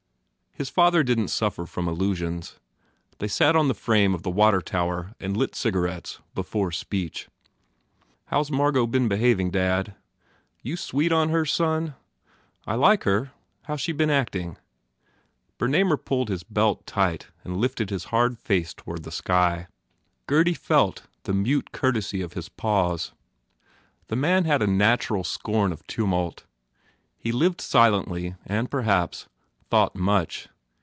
His father didn t suffer from illusions. They sat on the frame of the water tower and lit cigarettes, before speech. "How s Margot been behaving, dad?" "You sweet on her, son?" "I like her. How s she been acting?" Bernamer pulled his belt tight and lifted his hard face toward the sky. Gurdy felt the mute courtesy of his pause. The man had a natural scorn of tumult. He lived silently and, perhaps, thought much.